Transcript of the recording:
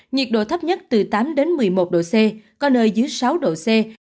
nhiệt độ thấp nhất từ tám đến một mươi một độ c có nơi dưới sáu độ c